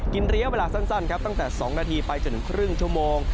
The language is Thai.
ระยะเวลาสั้นครับตั้งแต่๒นาทีไปจนถึงครึ่งชั่วโมง